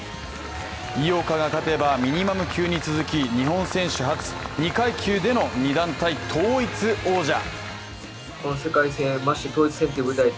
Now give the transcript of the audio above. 井岡が勝てば、ミニマム級に続き日本選手初２階級での２団体統一王者。